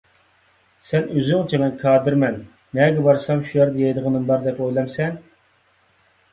سەن ئۆزۈڭچە مەن كادىرمەن، نەگە بارسام شۇ يەردە يەيدىغىنىم بار دەپ ئويلامسەن؟!